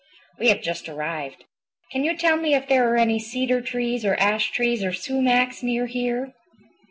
We have just arrived. Can you tell me if there are any cedar trees or ash trees or sumacs near here?"